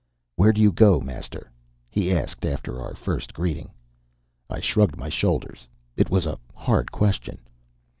"Where do you go, master?" he asked, after our first greetings. I shrugged my shoulders. It was a hard question.